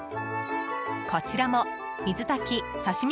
こちらも水炊き刺し身